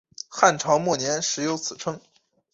汉朝末年始有此称。